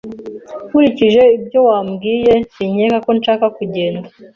Nkurikije ibyo wambwiye, sinkeka ko nshaka kugenda.